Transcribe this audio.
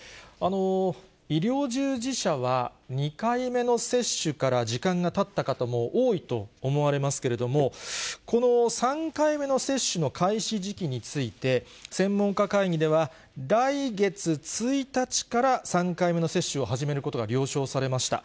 医療従事者は２回目の接種から時間がたった方も多いと思われますけれども、この３回目の接種の開始時期について、専門家会議では、来月１日から３回目の接種を始めることが了承されました。